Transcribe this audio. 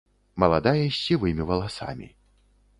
Маладая з сівымі валасамі.